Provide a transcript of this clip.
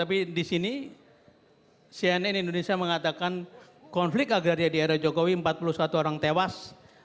tapi di sini cnn indonesia mengatakan konflik agraria di era jokowi empat puluh satu orang tewas